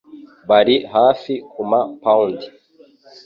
Bari hafi kuma pound.